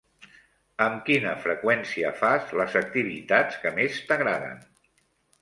Amb quina freqüència fas les activitats que més t'agraden?